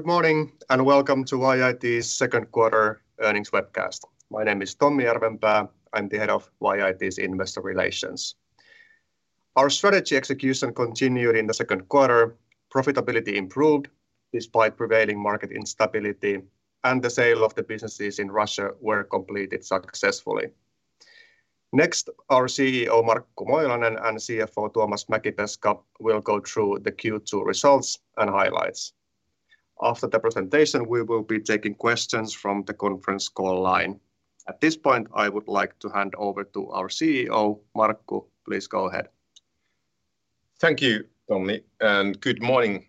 Good morning, and welcome to YIT's second quarter earnings webcast. My name is Tommi Järvenpää. I'm the head of YIT's Investor Relations. Our strategy execution continued in the second quarter. Profitability improved despite prevailing market instability, and the sale of the businesses in Russia were completed successfully. Next, our CEO Markku Moilanen and CFO Tuomas Mäkipeska will go through the Q2 results and highlights. After the presentation, we will be taking questions from the conference call line. At this point, I would like to hand over to our CEO. Markku, please go ahead. Thank you, Tomi, and good morning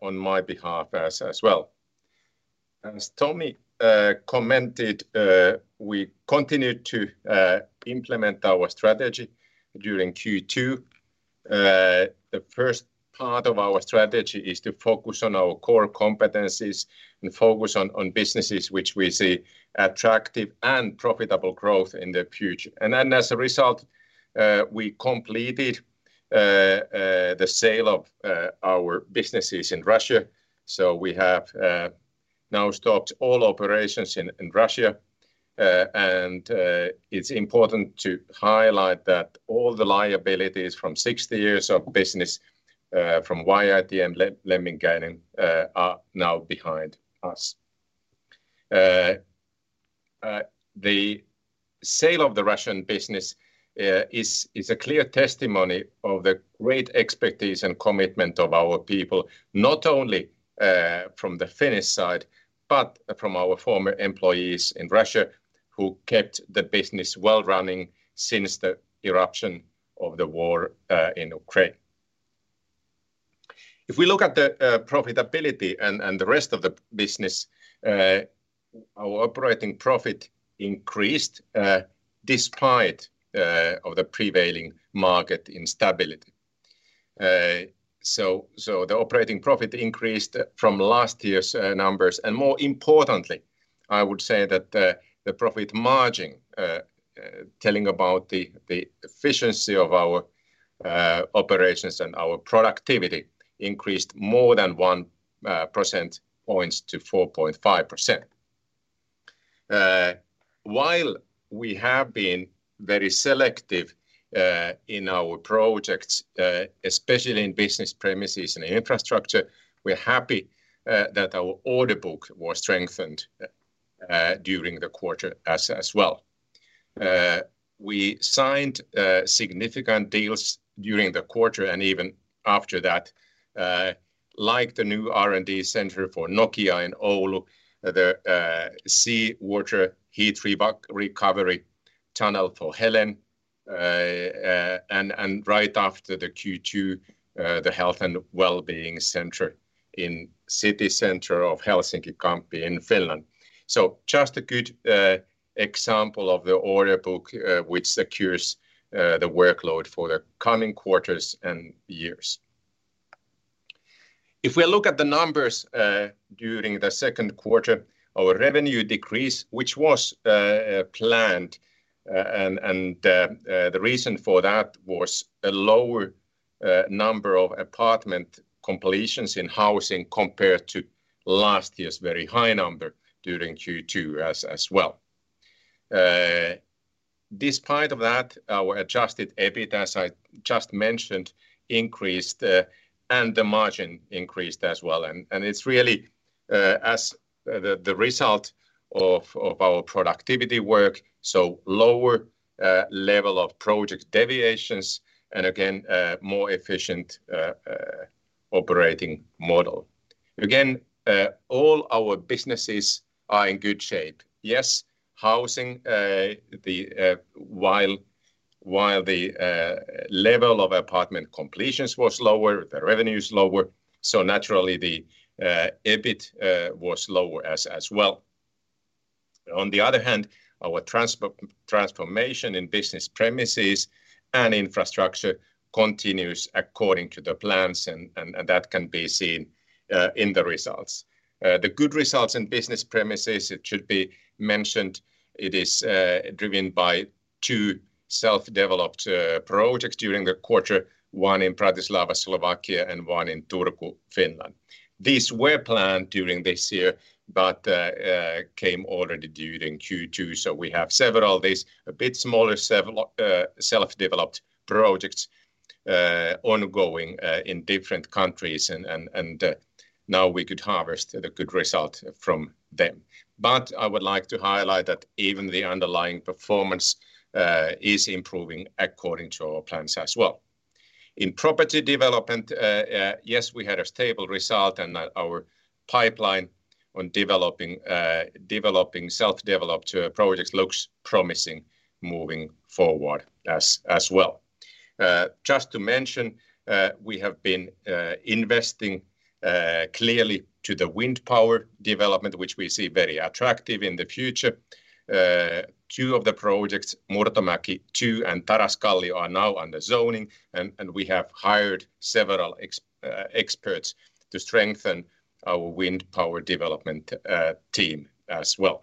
on my behalf as well. As Tomi commented, we continued to implement our strategy during Q2. The first part of our strategy is to focus on our core competencies and focus on businesses which we see attractive and profitable growth in the future. As a result, we completed the sale of our businesses in Russia, so we have now stopped all operations in Russia. It's important to highlight that all the liabilities from 60 years of business from YIT and Lemminkäinen are now behind us. The sale of the Russian business is a clear testimony of the great expertise and commitment of our people, not only from the Finnish side, but from our former employees in Russia who kept the business well running since the eruption of the war in Ukraine. If we look at the profitability and the rest of the business, our operating profit increased despite the prevailing market instability. The operating profit increased from last year's numbers, and more importantly, I would say that the profit margin telling about the efficiency of our operations and our productivity increased more than one percentage point to 4.5%. While we have been very selective in our projects, especially in business premises and infrastructure, we're happy that our order book was strengthened during the quarter as well. We signed significant deals during the quarter and even after that, like the new R&D center for Nokia in Oulu, the seawater heat recovery tunnel for Helen, and right after the Q2, the health and wellbeing center in city center of Helsinki, Kamppi, in Finland. Just a good example of the order book which secures the workload for the coming quarters and years. If we look at the numbers, during the second quarter, our revenue decreased, which was planned, and the reason for that was a lower number of apartment completions in housing compared to last year's very high number during Q2 as well. Despite that, our adjusted EBIT, as I just mentioned, increased, and the margin increased as well, and it's really as the result of our productivity work, so lower level of project deviations and again more efficient operating model. Again, all our businesses are in good shape. Yes, housing, while the level of apartment completions was lower, the revenue is lower, so naturally the EBIT was lower as well. On the other hand, our transformation in business premises and infrastructure continues according to the plans and that can be seen in the results. The good results in business premises, it should be mentioned, it is driven by two self-developed projects during the quarter, one in Bratislava, Slovakia, and one in Turku, Finland. These were planned during this year but came already during Q2, so we have several of these, a bit smaller self-developed projects ongoing in different countries and now we could harvest the good result from them. I would like to highlight that even the underlying performance is improving according to our plans as well. In property development, yes, we had a stable result, and our pipeline on developing self-developed projects looks promising moving forward as well. Just to mention, we have been investing clearly to the wind power development, which we see very attractive in the future. Two of the projects, Murtomäki II and Taraskallio, are now under zoning, and we have hired several experts to strengthen our wind power development team as well.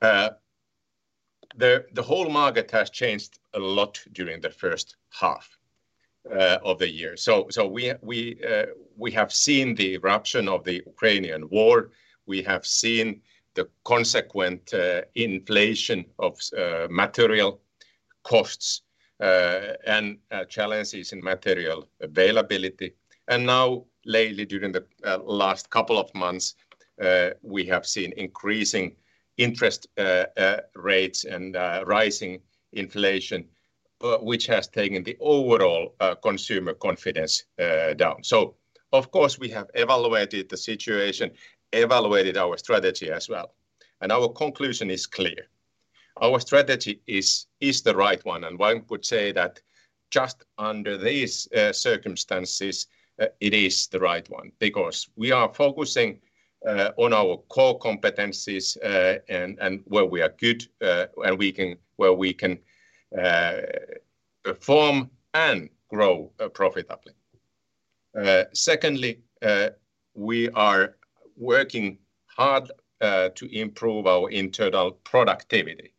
The whole market has changed a lot during the first half of the year. We have seen the eruption of the Ukrainian war. We have seen the consequent inflation of material costs and challenges in material availability. Now lately during the last couple of months, we have seen increasing interest rates and rising inflation, which has taken the overall consumer confidence down. Of course, we have evaluated the situation, evaluated our strategy as well, and our conclusion is clear. Our strategy is the right one. One could say that just under these circumstances, it is the right one because we are focusing on our core competencies and where we are good and where we can perform and grow profitably. Secondly, we are working hard to improve our internal productivity.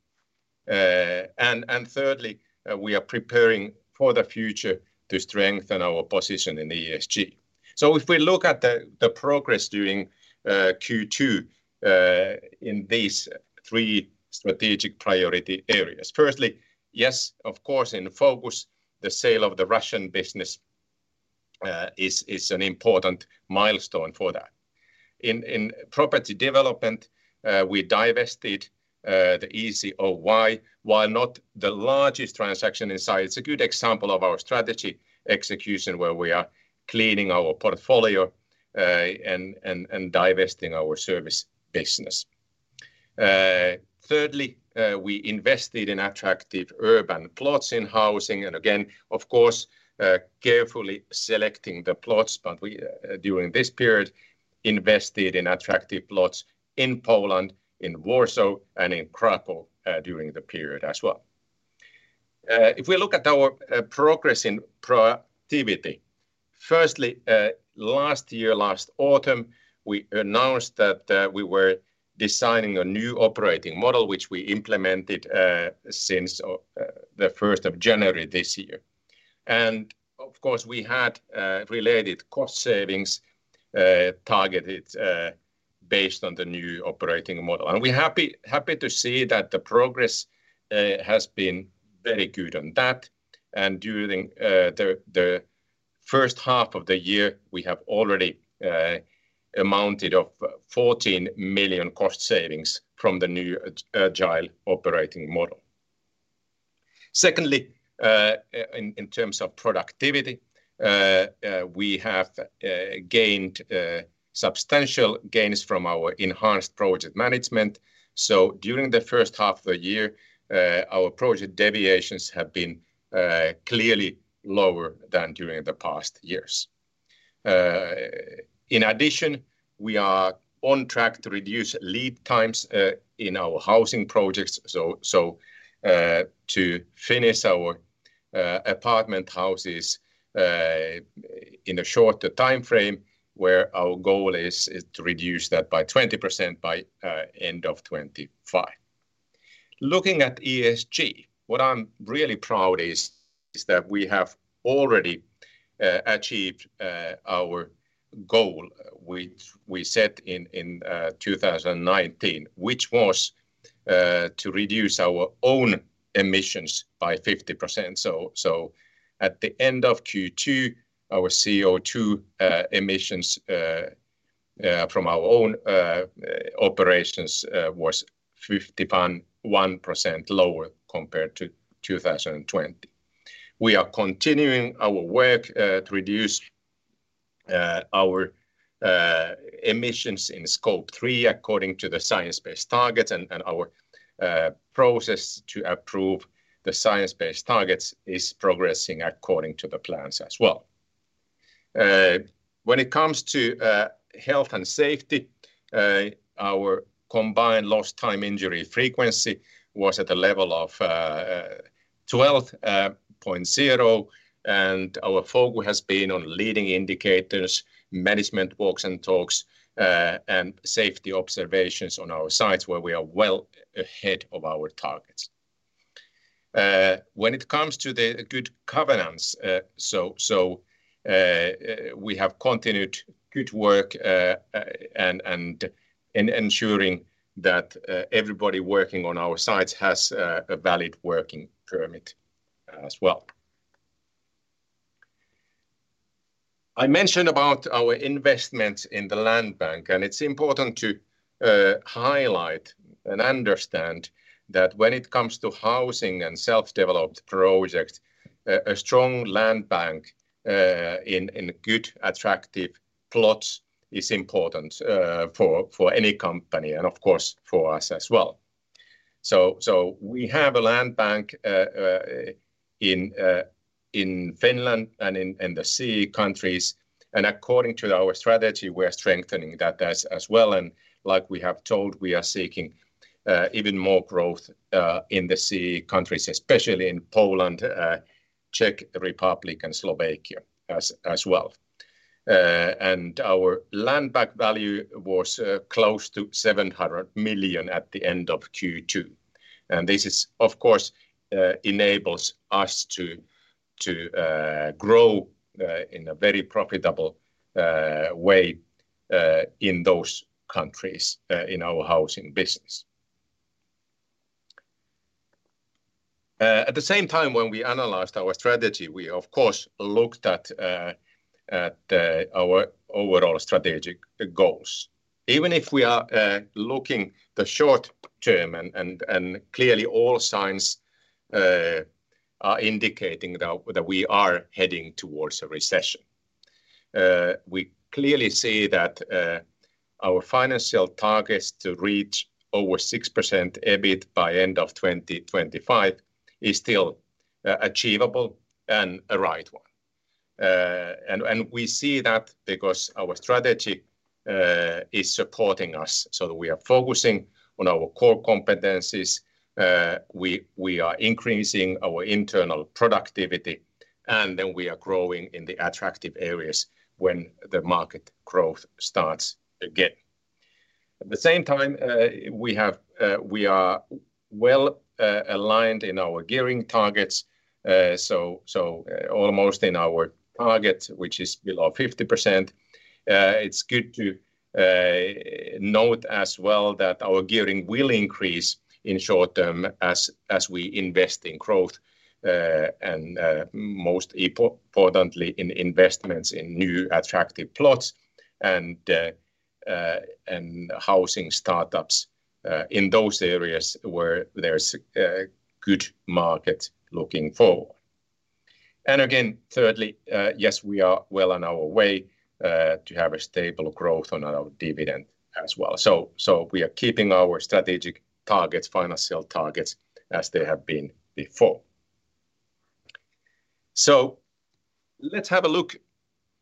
Thirdly, we are preparing for the future to strengthen our position in ESG. If we look at the progress during Q2 in these three strategic priority areas. Firstly, yes, of course, in focus, the sale of the Russian business is an important milestone for that. In property development, we divested the YIT. While not the largest transaction in size, it's a good example of our strategy execution where we are cleaning our portfolio and divesting our service business. Thirdly, we invested in attractive urban plots in housing, and again, of course, carefully selecting the plots. We during this period invested in attractive plots in Poland, in Warsaw, and in Kraków during the period as well. If we look at our progress in productivity. Firstly, last year, last autumn, we announced that we were designing a new operating model, which we implemented since the 1st of January this year. Of course, we had related cost savings targeted based on the new operating model. We're happy to see that the progress has been very good on that. During the first half of the year, we have already amounted to 14 million cost savings from the new agile operating model. Secondly, in terms of productivity, we have gained substantial gains from our enhanced project management. During the first half of the year, our project deviations have been clearly lower than during the past years. In addition, we are on track to reduce lead times in our housing projects, so to finish our apartment houses in a shorter timeframe, where our goal is to reduce that by 20% by end of 2025. Looking at ESG, what I'm really proud is that we have already achieved our goal which we set in 2019. Which was to reduce our own emissions by 50%. At the end of Q2, our CO2 emissions from our own operations was 51% lower compared to 2020. We are continuing our work to reduce our emissions in Scope three according to the Science-Based Targets, and our process to approve the Science-Based Targets is progressing according to the plans as well. When it comes to health and safety, our combined lost time injury frequency was at a level of 12.0. Our focus has been on leading indicators, management walks and talks, and safety observations on our sites where we are well ahead of our targets. When it comes to the good governance, we have continued good work and ensuring that everybody working on our sites has a valid working permit as well. I mentioned about our investments in the land bank, and it's important to highlight and understand that when it comes to housing and self-developed projects, a strong land bank in good, attractive plots is important for any company and of course for us as well. We have a land bank in Finland and in the CEE countries, and according to our strategy, we're strengthening that as well. Like we have told, we are seeking even more growth in the CEE countries, especially in Poland, Czech Republic, and Slovakia as well. Our land bank value was close to 700 million at the end of Q2. This of course enables us to grow in a very profitable way in those countries in our housing business. At the same time when we analyzed our strategy, we of course looked at our overall strategic goals. Even if we are looking at the short term and clearly all signs are indicating that we are heading towards a recession. We clearly see that our financial targets to reach over 6% EBIT by end of 2025 is still achievable and a right one. We see that because our strategy is supporting us so that we are focusing on our core competencies. We are increasing our internal productivity, and then we are growing in the attractive areas when the market growth starts again. At the same time, we are well aligned with our gearing targets. Almost at our target, which is below 50%. It's good to note as well that our gearing will increase in short term as we invest in growth and most importantly in investments in new attractive plots and housing startups in those areas where there's good market looking forward. Again, thirdly, yes, we are well on our way to have stable growth on our dividend as well. We are keeping our strategic targets, financial targets as they have been before. Let's have a look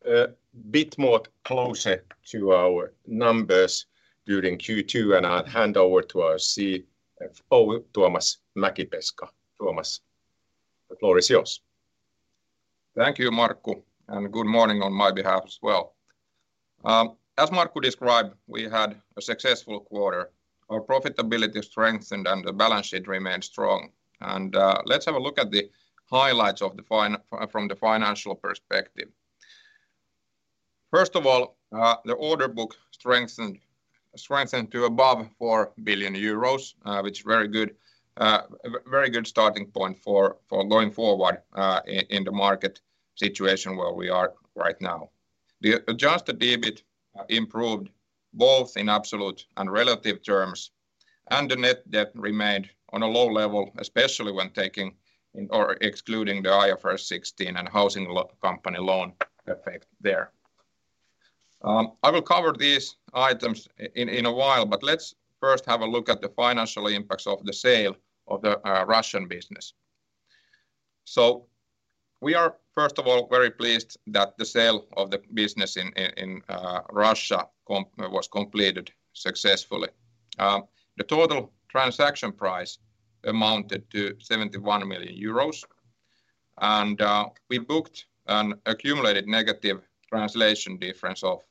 a bit more closer to our numbers during Q2, and I'll hand over to our CFO, Tuomas Mäkipeska. Tuomas, the floor is yours. Thank you, Markku, and good morning on my behalf as well. As Markku described, we had a successful quarter. Our profitability strengthened and the balance sheet remained strong. Let's have a look at the highlights from the financial perspective. First of all, the order book strengthened to above 4 billion euros, which very good starting point for going forward in the market situation where we are right now. The adjusted EBIT improved both in absolute and relative terms, and the net debt remained on a low level, especially when taking into or excluding the IFRS 16 and housing company loan effect there. I will cover these items in a while, but let's first have a look at the financial impacts of the sale of the Russian business. We are first of all very pleased that the sale of the business in Russia was completed successfully. The total transaction price amounted to 71 million euros. We booked an accumulated negative translation difference of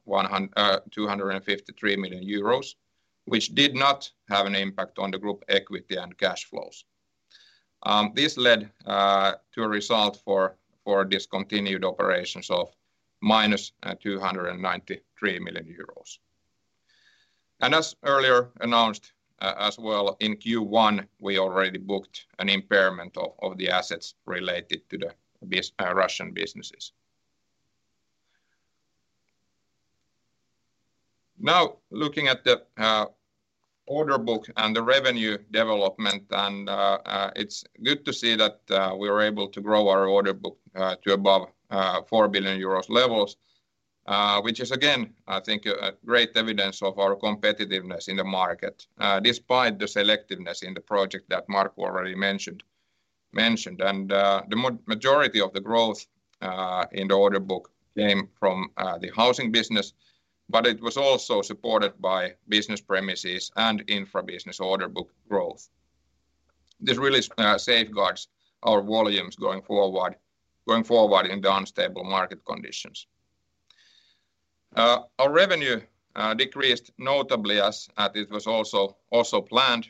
253 million euros, which did not have an impact on the group equity and cash flows. This led to a result for discontinued operations of minus 293 million euros. As earlier announced, as well, in Q1, we already booked an impairment of the assets related to the Russian businesses. Now looking at the order book and the revenue development, it's good to see that we were able to grow our order book to above 4 billion euros levels. Which is again, I think, a great evidence of our competitiveness in the market, despite the selectiveness in the project that Markku already mentioned. Majority of the growth in the order book came from the housing business, but it was also supported by business premises and infra business order book growth. This really safeguards our volumes going forward in the unstable market conditions. Our revenue decreased notably as it was also planned,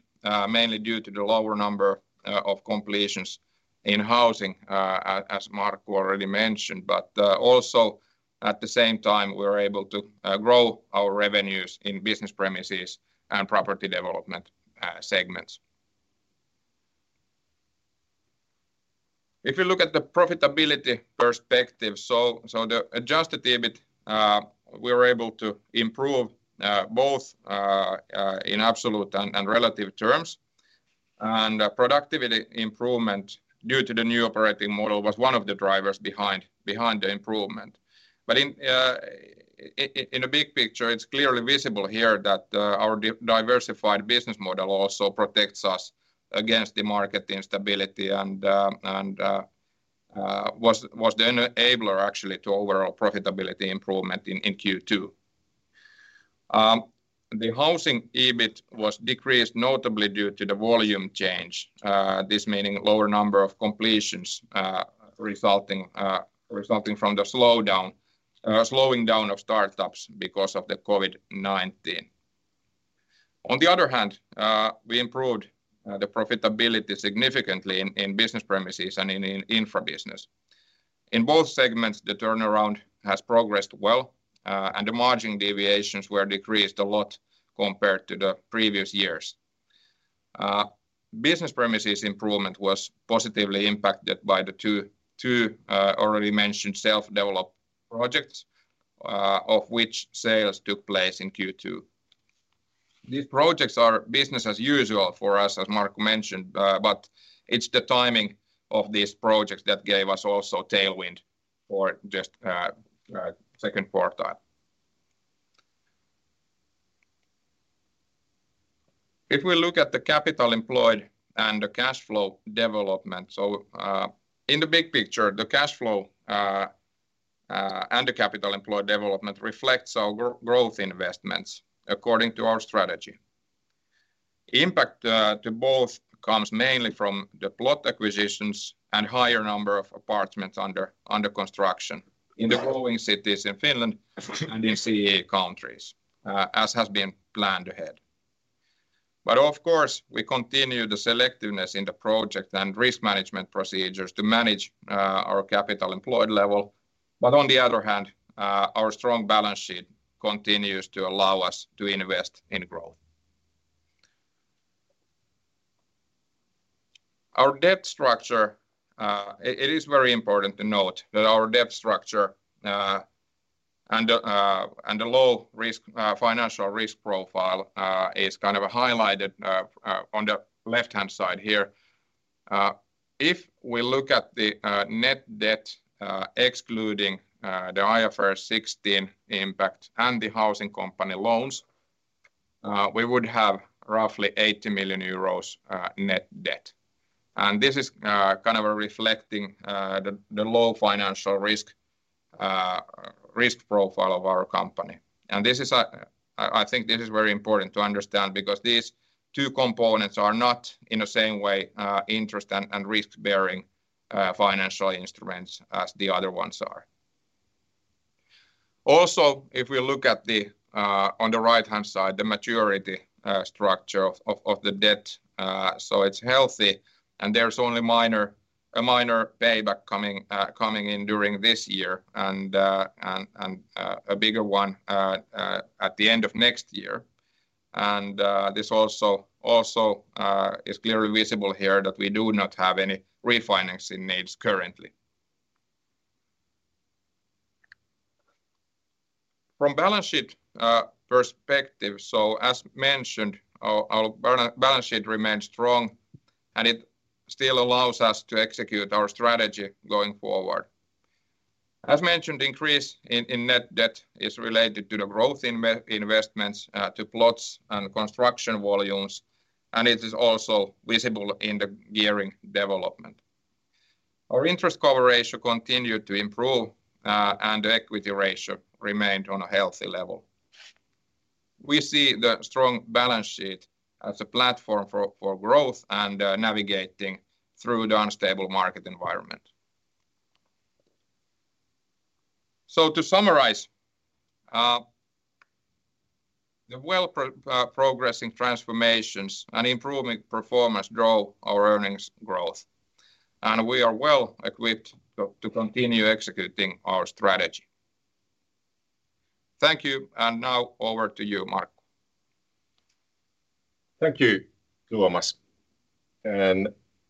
mainly due to the lower number of completions in housing, as Markku already mentioned. Also at the same time, we were able to grow our revenues in business premises and property development segments. If you look at the profitability perspective, the adjusted EBIT, we were able to improve both in absolute and relative terms. Productivity improvement due to the new operating model was one of the drivers behind the improvement. In the big picture, it's clearly visible here that our diversified business model also protects us against the market instability and was the enabler actually to overall profitability improvement in Q2. The housing EBIT was decreased notably due to the volume change. This meaning lower number of completions, resulting from the slowing down of startups because of the COVID-19. On the other hand, we improved the profitability significantly in business premises and in infra business. In both segments, the turnaround has progressed well, and the margin deviations were decreased a lot compared to the previous years. Business premises improvement was positively impacted by the two already mentioned self-developed projects, of which sales took place in Q2. These projects are business as usual for us, as Mark mentioned, but it's the timing of these projects that gave us also tailwind for just second quarter. If we look at the capital employed and the cash flow development, in the big picture, the cash flow and the capital employed development reflects our growth investments according to our strategy. Impact to both comes mainly from the plot acquisitions and higher number of apartments under construction in the growing cities in Finland and in CEE countries, as has been planned ahead. Of course, we continue the selectiveness in the project and risk management procedures to manage our capital employed level. On the other hand, our strong balance sheet continues to allow us to invest in growth. Our debt structure, it is very important to note that our debt structure and the low risk financial risk profile is kind of highlighted on the left-hand side here. If we look at the net debt excluding the IFRS 16 impact and the housing company loans, we would have roughly 80 million euros net debt. This is kind of reflecting the low financial risk profile of our company. This is a... I think this is very important to understand because these two components are not in the same way interest and risk-bearing financial instruments as the other ones are. Also, if we look on the right-hand side, the maturity structure of the debt, so it's healthy and there's only a minor payback coming in during this year and a bigger one at the end of next year. This also is clearly visible here that we do not have any refinancing needs currently. From balance sheet perspective, so as mentioned, our balance sheet remains strong and it still allows us to execute our strategy going forward. As mentioned, increase in net debt is related to the growth investments to plots and construction volumes, and it is also visible in the gearing development. Our interest cover ratio continued to improve, and the equity ratio remained on a healthy level. We see the strong balance sheet as a platform for growth and navigating through the unstable market environment. To summarize, the well progressing transformations and improving performance grow our earnings growth, and we are well equipped to continue executing our strategy. Thank you. Now over to you, Markku Moilanen. Thank you, Tuomas.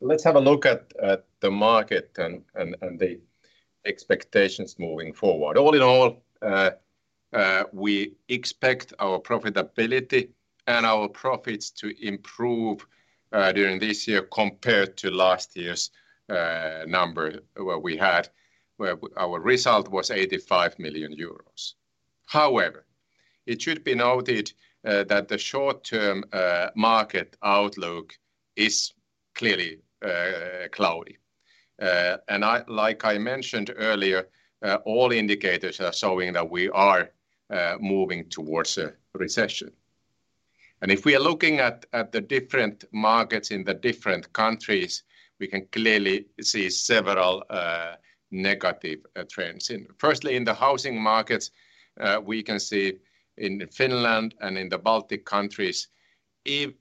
Let's have a look at the market and the expectations moving forward. All in all, we expect our profitability and our profits to improve during this year compared to last year's number where our result was 85 million euros. However, it should be noted that the short-term market outlook is clearly cloudy. Like I mentioned earlier, all indicators are showing that we are moving towards a recession. If we are looking at the different markets in the different countries, we can clearly see several negative trends. Firstly in the housing markets, we can see in Finland and in the Baltic countries, it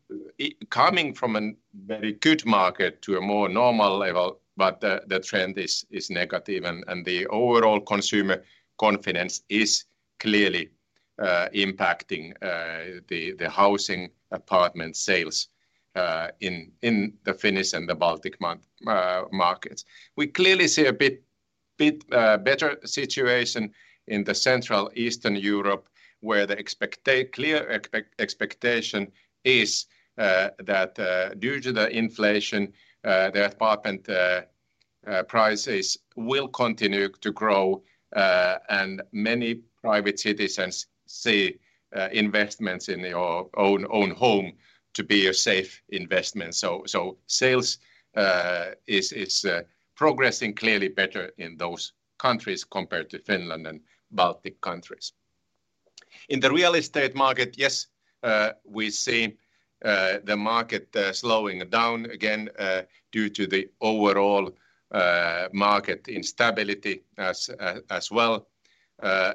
coming from a very good market to a more normal level, but the trend is negative and the overall consumer confidence is clearly impacting the housing apartment sales in the Finnish and the Baltic markets. We clearly see a bit better situation in the Central Eastern Europe where the clear expectation is that due to the inflation the apartment prices will continue to grow. And many private citizens see investments in their own home to be a safe investment. Sales is progressing clearly better in those countries compared to Finland and Baltic countries. In the real estate market, yes, we see the market slowing down again due to the overall market instability as well. On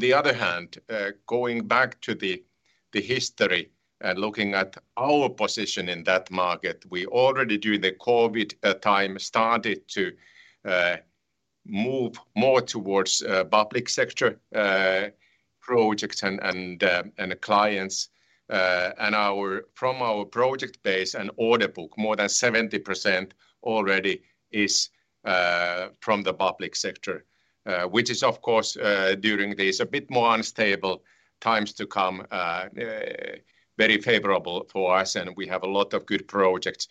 the other hand, going back to the history and looking at our position in that market, we already during the COVID time started to move more towards public sector projects and clients. From our project base and order book, more than 70% already is from the public sector. Which is of course during this a bit more unstable times to come very favorable for us, and we have a lot of good projects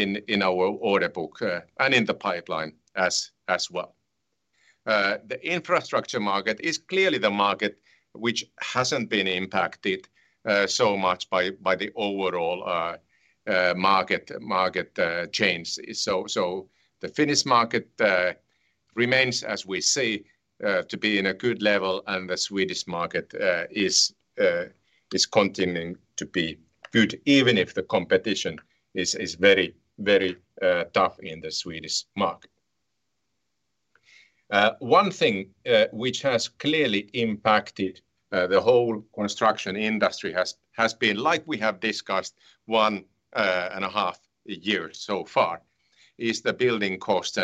in our order book and in the pipeline as well. The infrastructure market is clearly the market which hasn't been impacted so much by the overall market change. The Finnish market remains, as we say, to be in a good level, and the Swedish market is continuing to be good, even if the competition is very tough in the Swedish market. One thing which has clearly impacted the whole construction industry has been, like we have discussed one and a half year so far, is the building cost.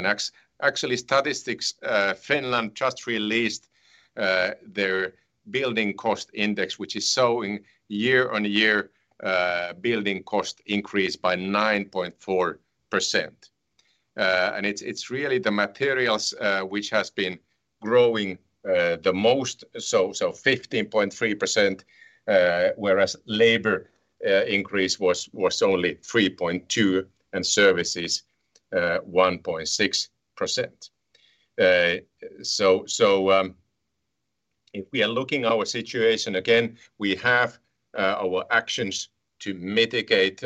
Actually, Statistics Finland just released their Building Cost Index, which is showing year-on-year building cost increase by 9.4%. It's really the materials which has been growing the most, so 15.3%, whereas labor increase was only 3.2%, and services 1.6%. If we are looking at our situation again, we have our actions to mitigate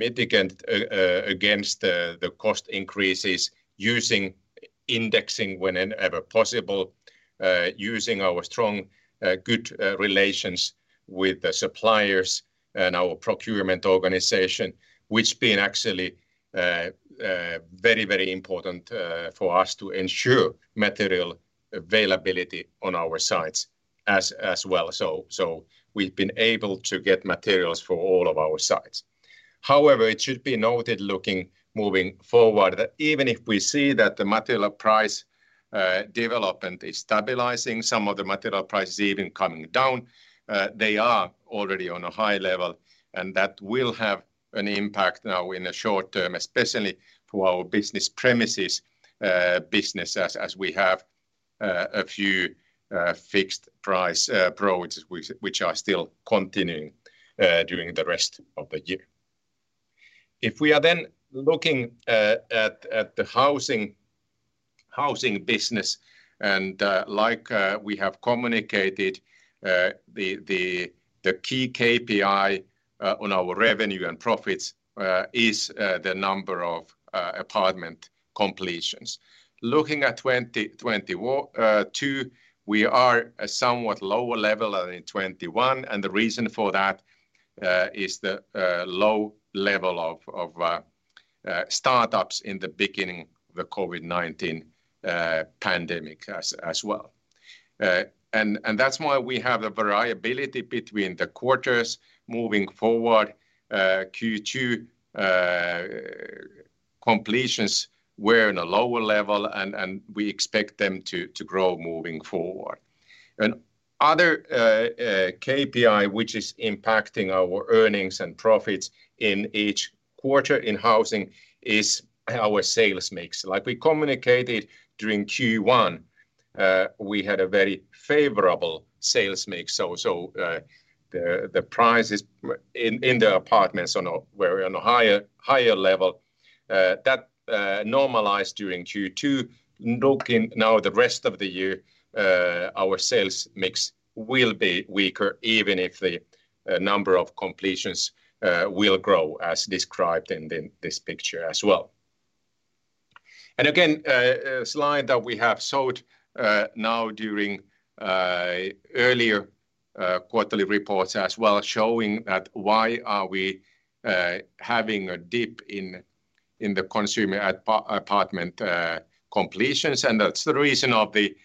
against the cost increases using indexing whenever possible, using our strong, good relations with the suppliers and our procurement organization, which has been actually very important for us to ensure material availability on our sites as well. We've been able to get materials for all of our sites. However, it should be noted looking moving forward that even if we see that the material price development is stabilizing, some of the material prices even coming down, they are already on a high level, and that will have an impact now in the short term, especially for our business premises business as we have a few fixed price projects which are still continuing during the rest of the year. If we are then looking at the housing business, and like we have communicated, the key KPI on our revenue and profits is the number of apartment completions. Looking at 2021-22, we are at a somewhat lower level than in '21, and the reason for that is the low level of startups in the beginning of the COVID-19 pandemic as well. That's why we have the variability between the quarters moving forward. Q2 completions were in a lower level, and we expect them to grow moving forward. Other KPI which is impacting our earnings and profits in each quarter in housing is our sales mix. Like we communicated during Q1, we had a very favorable sales mix. The prices in the apartments were on a higher level. That normalized during Q2. Looking now the rest of the year, our sales mix will be weaker, even if the number of completions will grow as described in this picture as well. Again, a slide that we have showed now during earlier quarterly reports as well, showing that why are we having a dip in the consumer apartment completions. That's the reason of the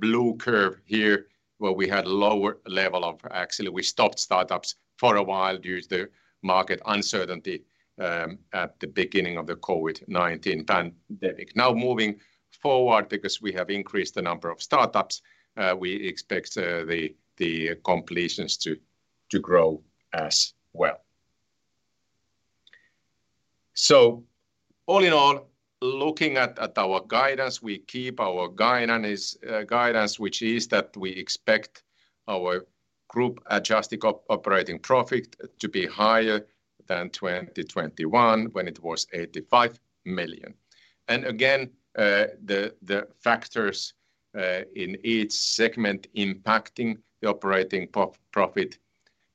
blue curve here, where we had lower level of startups. Actually, we stopped startups for a while due to the market uncertainty at the beginning of the COVID-19 pandemic. Now, moving forward, because we have increased the number of startups, we expect the completions to grow as well. All in all, looking at our guidance, we keep our guidance, which is that we expect our group adjusted operating profit to be higher than 2021, when it was 85 million. Again, the factors in each segment impacting the operating profit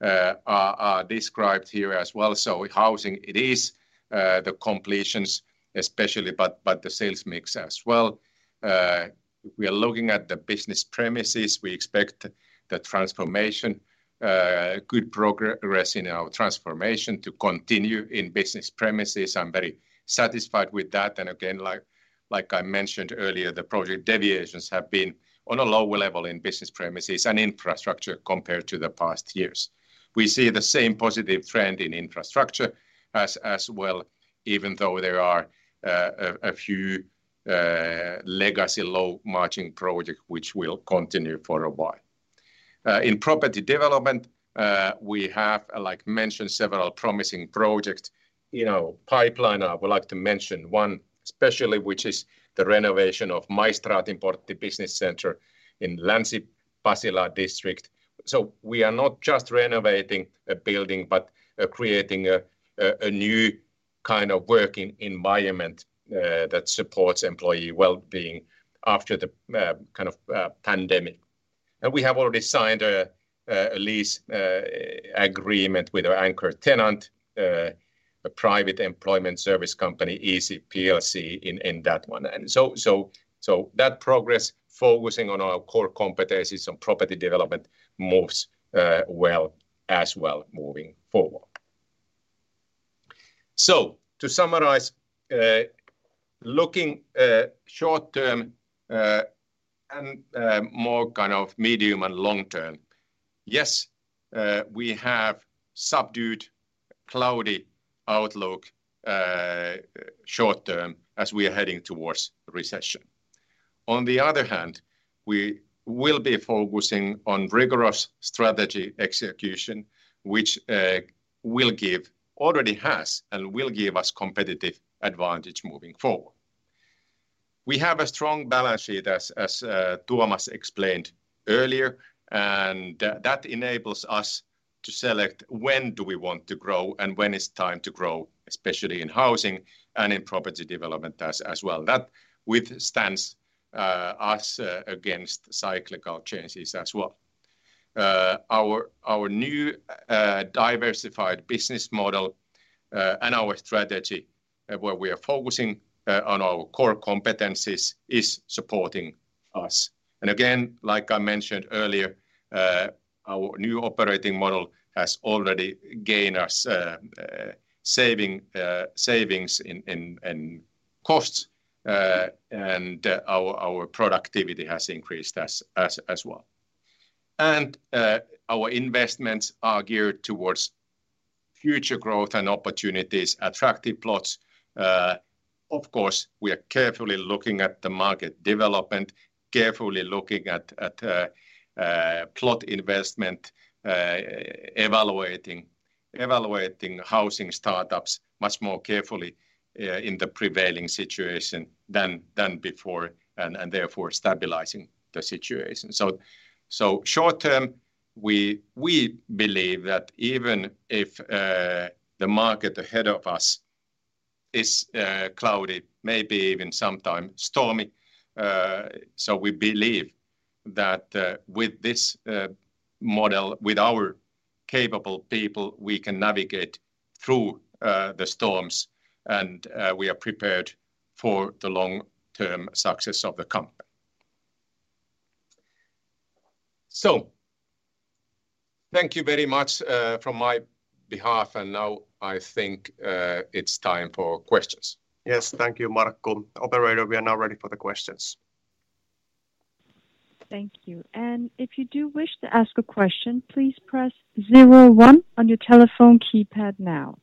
are described here as well. Housing, it is the completions especially, but the sales mix as well. We are looking at the business premises. We expect good progress in our transformation to continue in business premises. I'm very satisfied with that. Again, like I mentioned earlier, the project deviations have been on a lower level in business premises and infrastructure compared to the past years. We see the same positive trend in infrastructure as well, even though there are a few legacy low-margin projects which will continue for a while. In property development, we have, like mentioned, several promising projects, you know, pipeline. I would like to mention one especially, which is the renovation of Maistraatinportti Business Center in Länsi-Pasila district. We are not just renovating a building, but creating a new kind of working environment that supports employee wellbeing after the kind of pandemic. We have already signed a lease agreement with our anchor tenant, a private employment service company, Eezy Plc, in that one. That progress, focusing on our core competencies on property development moves well as well moving forward. To summarize, looking short-term and more kind of medium and long term, yes, we have subdued cloudy outlook short term as we are heading towards recession. On the other hand, we will be focusing on rigorous strategy execution, which already has and will give us competitive advantage moving forward. We have a strong balance sheet as Tuomas explained earlier, and that enables us to select when do we want to grow and when it's time to grow, especially in housing and in property development as well. That withstands us against cyclical changes as well. Our new diversified business model and our strategy where we are focusing on our core competencies is supporting us. Again, like I mentioned earlier, our new operating model has already gained us savings in costs, and our productivity has increased as well. Our investments are geared towards future growth and opportunities, attractive plots. Of course, we are carefully looking at the market development, carefully looking at plot investment, evaluating housing startups much more carefully in the prevailing situation than before, and therefore stabilizing the situation. Short term, we believe that even if the market ahead of us is cloudy, maybe even sometimes stormy, so we believe that with this model, with our capable people, we can navigate through the storms and we are prepared for the long-term success of the company. Thank you very much, from my behalf. Now I think, it's time for questions. Yes. Thank you, Markku. Operator, we are now ready for the questions. Thank you. If you do wish to ask a question, please press zero one on your telephone keypad now.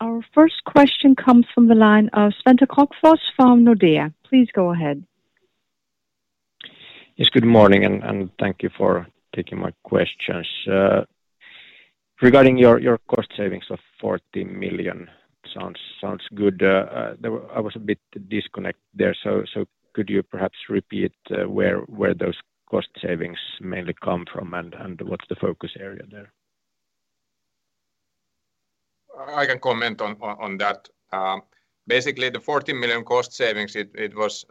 Our first question comes from the line of Svante Krokfors from Nordea. Please go ahead. Yes, good morning, and thank you for taking my questions. Regarding your cost savings of 40 million, sounds good. I was a bit disconnected there, so could you perhaps repeat where those cost savings mainly come from and what's the focus area there? I can comment on that. Basically, the 40 million cost savings, it was,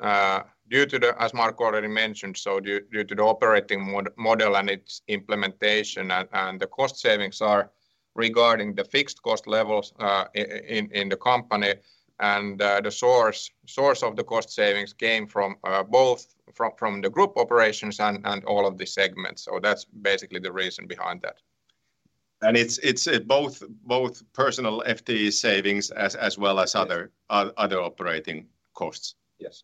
as Markku already mentioned, so due to the operating model and its implementation. The cost savings are regarding the fixed cost levels in the company. The source of the cost savings came from both from the group operations and all of the segments. That's basically the reason behind that. It's both personal FTE savings as well as other. Yes other operating costs. Yes.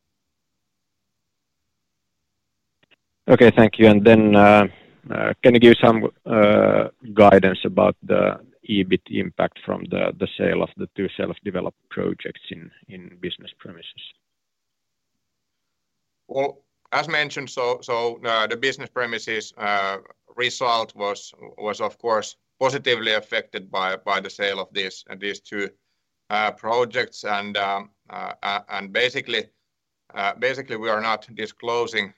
Okay. Thank you. Can you give some guidance about the EBIT impact from the sale of the two developed projects in business premises? Well, as mentioned, the business premises result was of course positively affected by the sale of these two projects. Basically, we are not disclosing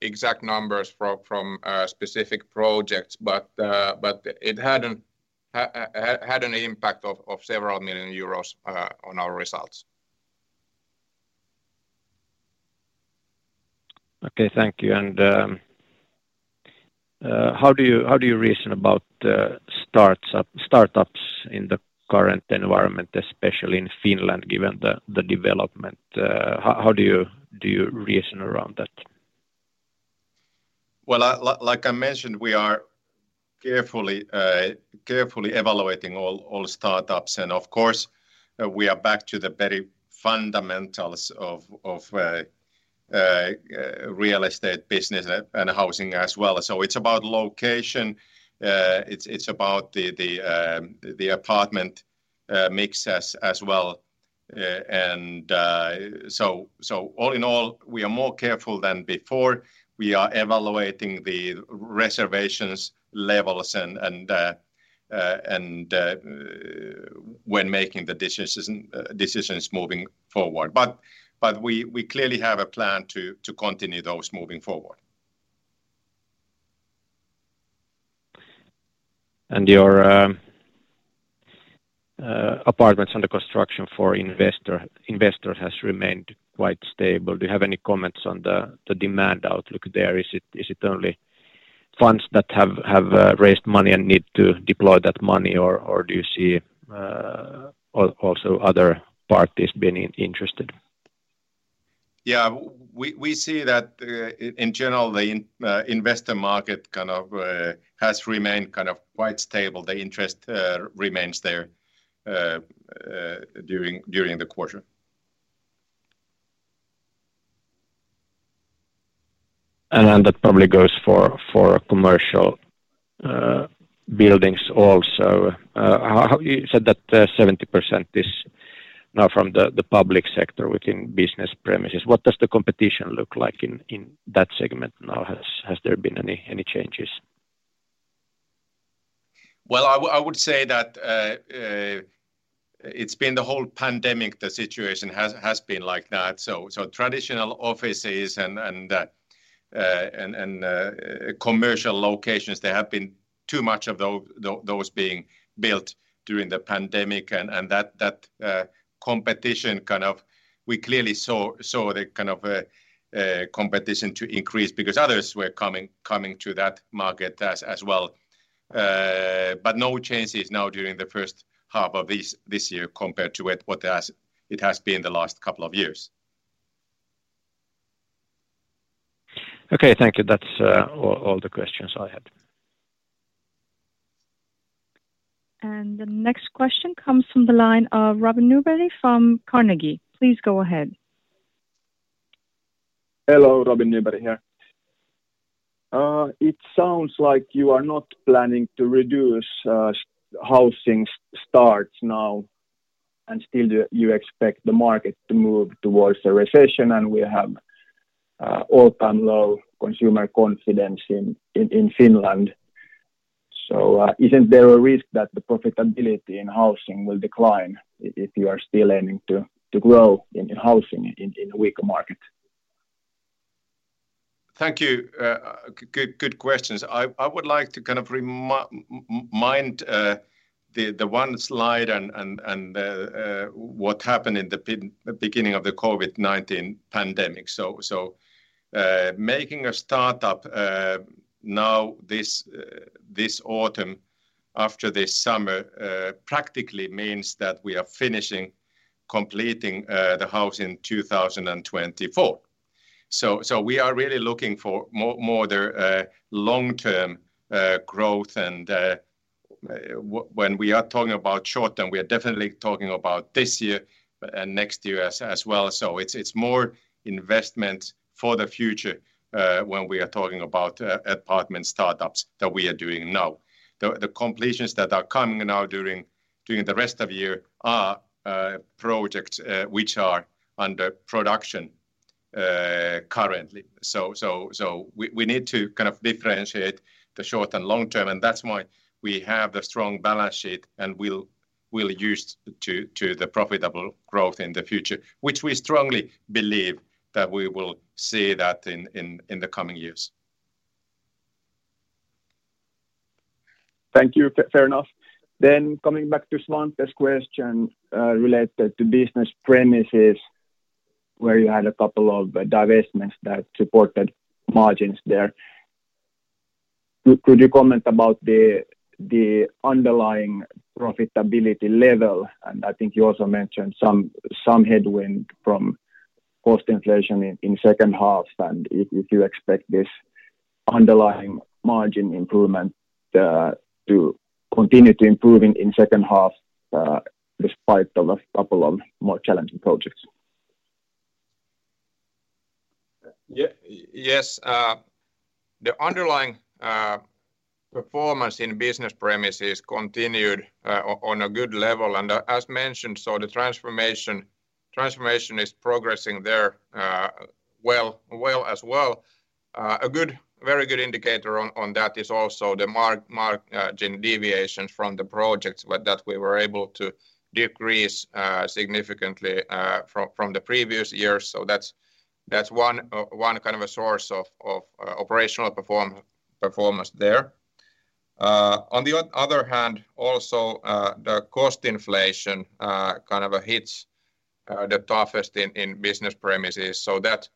exact numbers from specific projects, but it had an impact of several million EUR on our results. Okay. Thank you. How do you reason about startups in the current environment, especially in Finland, given the development? How do you reason around that? Well, like I mentioned, we are carefully evaluating all startups. Of course, we are back to the very fundamentals of real estate business and housing as well. It's about location. It's about the apartment mix as well. All in all, we are more careful than before. We are evaluating the reservations levels and when making the decisions moving forward. We clearly have a plan to continue those moving forward. Your apartments under construction for investors has remained quite stable. Do you have any comments on the demand outlook there? Is it only funds that have raised money and need to deploy that money? Or do you see also other parties being interested? Yeah. We see that, in general, the investor market kind of has remained kind of quite stable. The interest remains there during the quarter. That probably goes for commercial buildings also. You said that 70% is now from the public sector within business premises. What does the competition look like in that segment now? Has there been any changes? Well, I would say that it's been the whole pandemic the situation has been like that. Traditional offices and commercial locations, there have been too much of those being built during the pandemic, and that competition kind of. We clearly saw the kind of competition to increase because others were coming to that market as well. But no changes now during the first half of this year compared to what it has been the last couple of years. Okay. Thank you. That's all the questions I had. The next question comes from the line of Robin Nyberg from Carnegie. Please go ahead. Hello. Robin Nyberg here. It sounds like you are not planning to reduce housing starts now, and still you expect the market to move towards a recession, and we have all-time low consumer confidence in Finland. Isn't there a risk that the profitability in housing will decline if you are still aiming to grow in housing in a weaker market? Thank you. Good questions. I would like to kind of remind the one slide and what happened in the beginning of the COVID-19 pandemic. Making a startup now this autumn after this summer practically means that we are completing the house in 2024. We are really looking for more of the long-term growth. When we are talking about short-term, we are definitely talking about this year, next year as well. It's more investment for the future when we are talking about apartment startups that we are doing now. The completions that are coming now during the rest of year are projects which are under production currently. We need to kind of differentiate the short and long term, and that's why we have the strong balance sheet, and we'll use to the profitable growth in the future, which we strongly believe that we will see that in the coming years. Thank you. Fair enough. Coming back to Svante's question, related to business premises where you had a couple of divestments that supported margins there. Could you comment about the underlying profitability level? And I think you also mentioned some headwind from cost inflation in second half, and if you expect this underlying margin improvement to continue to improving in second half despite of a couple of more challenging projects. Yes. The underlying performance in business premises continued on a good level. As mentioned, the transformation is progressing there well as well. A very good indicator on that is also the margin deviations from the projects that we were able to decrease significantly from the previous years. That's one kind of a source of operational performance there. On the other hand also, the cost inflation kind of hits the toughest in business premises. That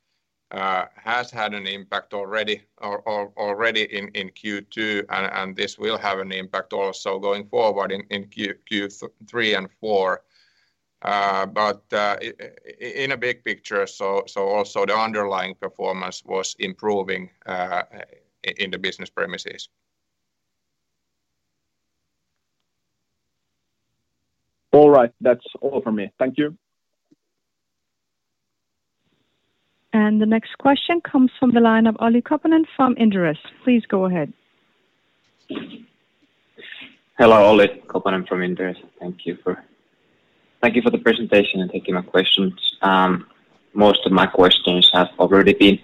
has had an impact already in Q2 and this will have an impact also going forward in Q3 and Q4. In a big picture, also the underlying performance was improving in the business premises. All right, that's all from me. Thank you. The next question comes from the line of Olli Koponen from Inderes. Please go ahead. Hello. Olli Koponen from Inderes. Thank you for the presentation, and thank you for answering my questions. Most of my questions have already been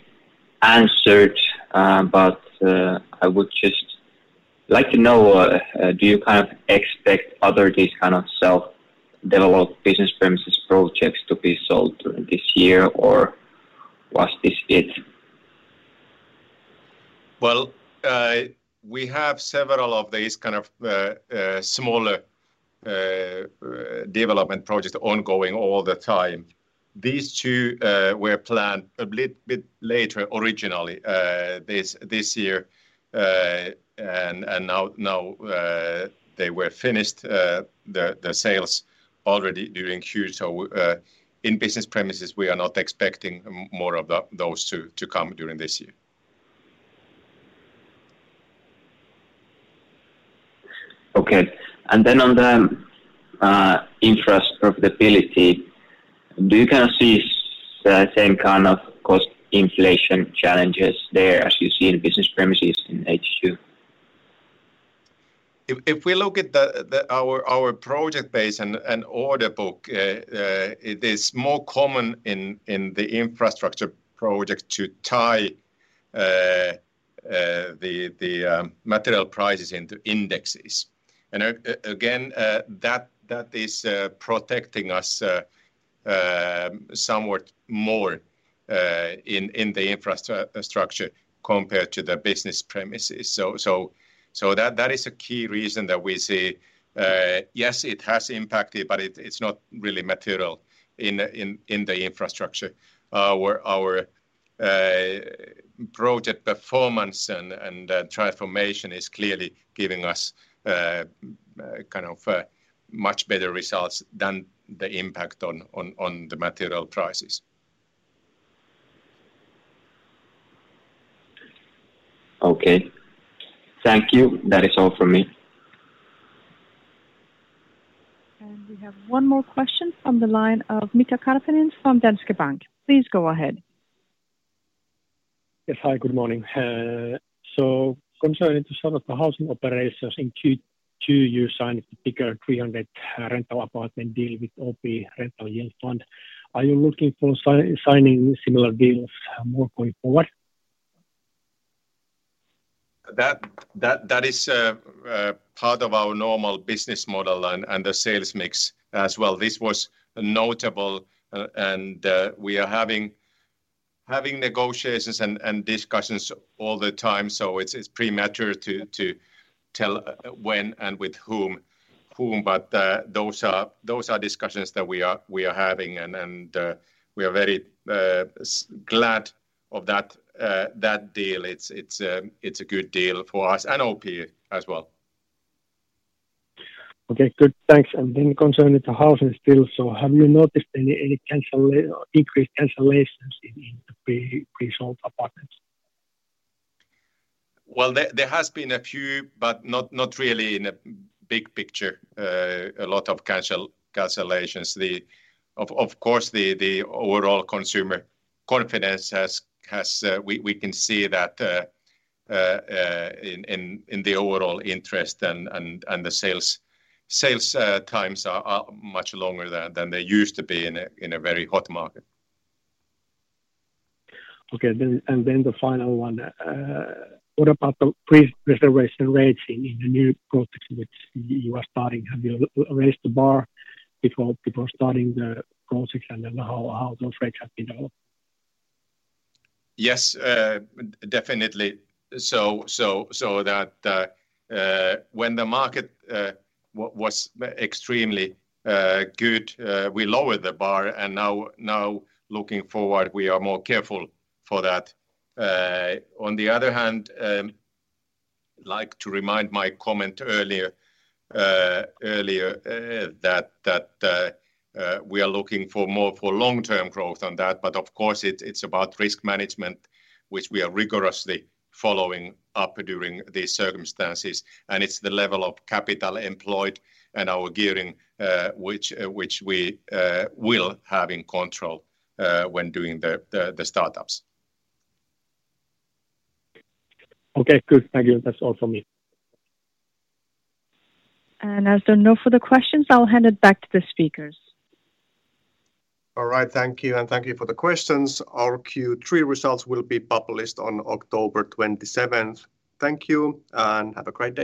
answered, but I would just like to know, do you kind of expect others of this kind of self-developed business premises projects to be sold during this year, or was this it? Well, we have several of these kind of smaller development projects ongoing all the time. These two were planned a bit later originally, this year. Now, they were finished, the sales already during Q. In business premises, we are not expecting more of those to come during this year. On the infrastructure profitability, do you guys see the same kind of cost inflation challenges there as you see in business premises in HQ? If we look at our project base and order book, it is more common in the infrastructure project to tie the material prices into indexes. Again, that is protecting us somewhat more in the infrastructure compared to the business premises. That is a key reason that we see, yes, it has impacted, but it's not really material in the infrastructure, where our project performance and transformation is clearly giving us kind of much better results than the impact on the material prices. Okay. Thank you. That is all from me. We have one more question from the line of Mika Karppinen from Danske Bank. Please go ahead. Yes. Hi, good morning. Concerning some of the housing operations in Q2, you signed the bigger 300 rental apartment deal with OP-Rental Yield Fund. Are you looking to sign similar deals more going forward? That is part of our normal business model and the sales mix as well. This was notable and we are having negotiations and discussions all the time, so it's premature to tell when and with whom. Those are discussions that we are having, and we are very glad of that deal. It's a good deal for us and OP as well. Okay. Good. Thanks. Concerning the housing still, have you noticed any increased cancellations in the pre-sold apartments? Well, there has been a few, but not really in a big picture, a lot of cancellations. Of course, the overall consumer confidence has. We can see that in the overall interest and the sales times are much longer than they used to be in a very hot market. What about the pre-reservation rating in the new projects which you are starting? Have you raised the bar before starting the projects? How those rates have been developed? Yes, definitely. So that when the market was extremely good, we lowered the bar, and now looking forward, we are more careful for that. On the other hand, like to remind my comment earlier that we are looking for more for long-term growth on that. Of course, it's about risk management, which we are rigorously following up during these circumstances, and it's the level of capital employed and our gearing, which we will have in control when doing the startups. Okay. Good. Thank you. That's all from me. As there are no further questions, I'll hand it back to the speakers. All right. Thank you, and thank you for the questions. Our Q3 results will be published on October twenty-seventh. Thank you, and have a great day.